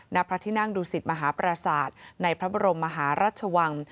ณพระที่นั่งดูสิตมหาปราศาสตร์ในพระบรมมหาราชวัง